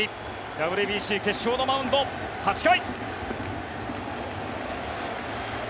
ＷＢＣ決勝のマウンド８回。